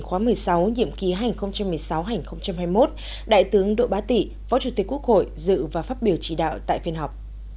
khóa một mươi sáu nhiệm ký hai nghìn một mươi sáu hai nghìn hai mươi một đại tướng độ bá tỷ phó chủ tịch quốc hội dự và phát biểu chỉ đạo tại phiên họp